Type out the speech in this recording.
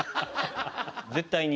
絶対に。